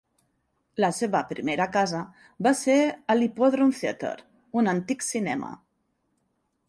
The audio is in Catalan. La seva primera casa va ser el Hippodrome Theatre, un antic cinema.